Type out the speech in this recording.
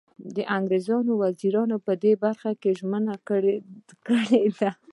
د انګریزانو وزیرانو په دې برخه کې ژمنه کړې ده.